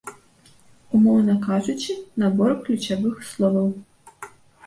Умоўна кажучы, набор ключавых словаў.